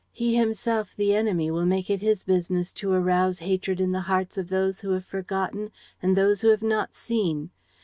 He himself, the enemy, will make it his business to arouse hatred in the hearts of those who have forgotten and those who have not seen.